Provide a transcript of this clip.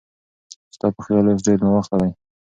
ستا په خیال اوس ډېر ناوخته دی؟